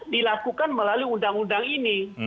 dilakukan melalui undang undang ini